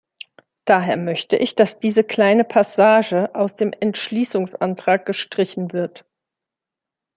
Daher möchte ich, dass diese kleine Passage aus dem Entschließungsantrag gestrichen wird.